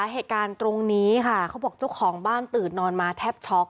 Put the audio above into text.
เหตุการณ์นี้ค่ะเขาบอกเจ้าของบ้านตื่นนอนมาแทบช็อก